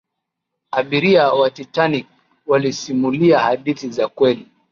abiria wa titanic walisimulia hadithi za kweli